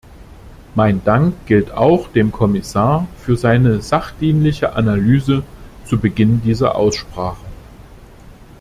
Mein Dank gilt auch dem Kommissar für seine sachdienliche Analyse zu Beginn dieser Aussprache.